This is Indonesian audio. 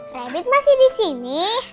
rabbit masih di sini